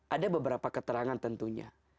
ada beberapa keterangan tentunya